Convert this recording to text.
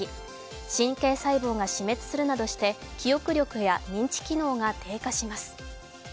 神経細胞が死滅するなどして記憶力や認知機能が低下します。